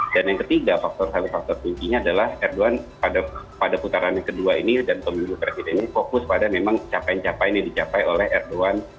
dan yang ketiga faktor faktor kuncinya adalah erdogan pada putaran yang kedua ini dan pemilih presiden ini fokus pada memang capaian capaian yang dicapai oleh erdogan